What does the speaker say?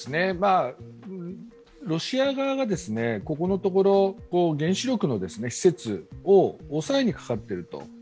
ロシア側がここのところ、原子力の施設を抑えにかかっていると。